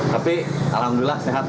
tapi alhamdulillah sehat